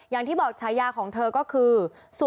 อย่างที่บอกฉายาของเธอก็คือ